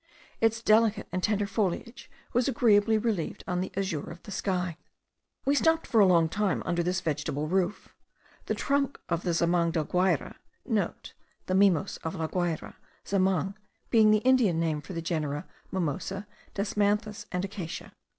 Its delicate and tender foliage was agreeably relieved on the azure of the sky. We stopped a long time under this vegetable roof. The trunk of the zamang del Guayre,* (* The mimos of La Guayre; zamang being the Indian name for the genera mimosa, desmanthus, and acacia.